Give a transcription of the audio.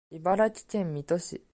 茨城県水戸市